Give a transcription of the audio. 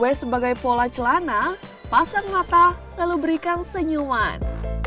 kue sebagai pola celana pasang mata lalu berikan senyuman